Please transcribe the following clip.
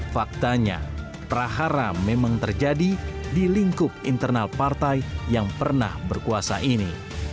faktanya prahara memang terjadi di lingkup internal partai yang pernah berkuasa ini